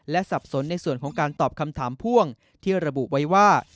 สับสนในส่วนของการตอบคำถามพ่วงที่ระบุไว้ว่า